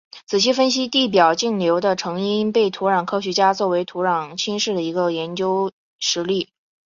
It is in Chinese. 仔细分析地表径流的成因被土壤科学家作为土壤侵蚀的一个研究实例。